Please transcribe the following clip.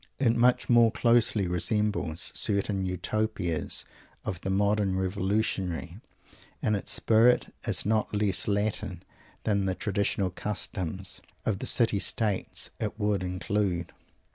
It much more closely resembles certain Utopias of the modern Revolutionary. In its spirit it is not less Latin than the traditional customs of the City States it would include.